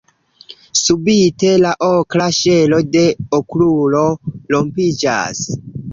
Subite, la okra ŝelo de Okrulo rompiĝas.